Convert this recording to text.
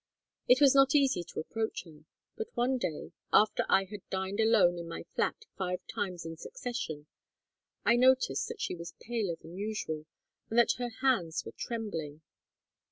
It was not easy to approach her, but one day, after I had dined alone in my flat five times in succession, I noticed that she was paler than usual, and that her hands were trembling.